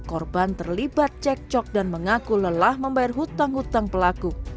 korban terlibat cekcok dan mengaku lelah membayar hutang hutang pelaku